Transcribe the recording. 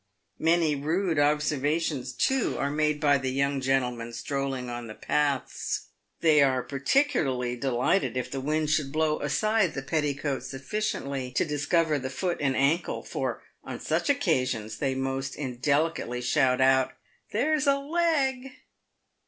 Many rude observations, too, are made by the young gentlemen strolling on the paths. They are particularly delighted if the wind should blow aside the petticoat sufficiently to discover the foot and ankle, for on such occasions they most indelicately shout out, " There's a leg